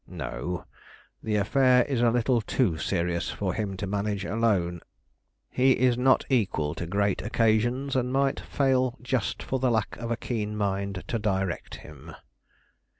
"No; the affair is a little too serious for him to manage alone. He is not equal to great occasions, and might fail just for the lack of a keen mind to direct him."